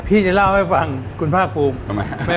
พี่จะเล่าให้ฟังคุณภาคภูมิ